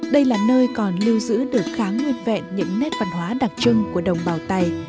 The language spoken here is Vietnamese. đây là nơi còn lưu giữ được khá nguyên vẹn những nét văn hóa đặc trưng của đồng bào tày